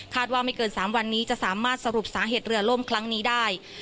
ว่าไม่เกิน๓วันนี้จะสามารถสรุปสาเหตุเรือล่มครั้งนี้ได้